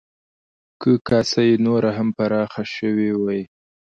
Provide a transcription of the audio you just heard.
که کاسه یې نوره هم پراخه شوې وی،